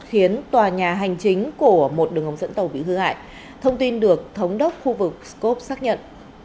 khiến tòa nhà hành chính của một đường ống dẫn tàu bị hư hại thông tin được thống đốc khu vực scot xác nhận